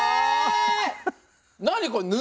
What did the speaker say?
何これ布？